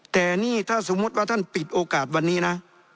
แต่นี่ถ้าสมมุติว่าท่านปิดโอกาสวันนี้นะ